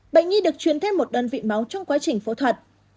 bệnh nhi được truyền thêm một đơn vị máu trong quá trình phẫu thuật